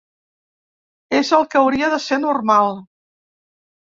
És el que hauria de ser normal.